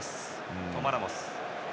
トマ・ラモス。